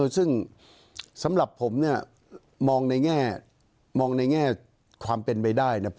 ซึ่งสำหรับผมเนี่ยมองในแง่มองในแง่ความเป็นไปได้เนี่ย